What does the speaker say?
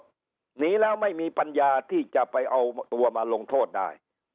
หนีแล้วไม่มีปัญญาที่จะไปเอาตัวมาลงโทษได้